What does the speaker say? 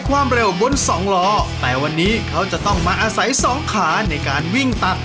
ความเร็วบนสองล้อแต่วันนี้เขาจะต้องมาอาศัยสองขาในการวิ่งตัด